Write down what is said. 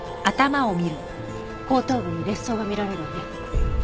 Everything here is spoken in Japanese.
後頭部に裂創が見られるわね。